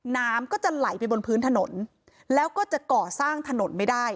น้ำก็จะไหลไปบนพื้นถนนแล้วก็จะก่อสร้างถนนไม่ได้